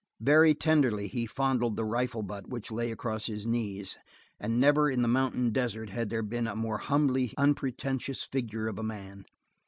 Very tenderly he fondled the rifle butt which lay across his knees, and never in the mountain desert had there been a more humbly unpretentious figure of a man.